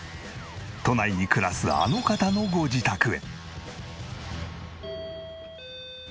都内に暮らすあの方のご自宅へ。